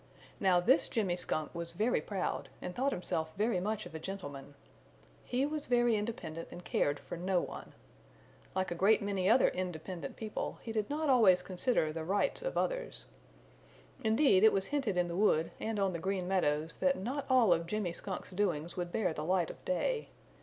Now this Jimmy Skunk was very proud and thought himself very much of a gentleman. He was very independent and cared for no one. Like a great many other independent people, he did not always consider the rights of others. Indeed, it was hinted in the wood and on the Green Meadows that not all of Jimmy Skunk's doings would bear the light of day.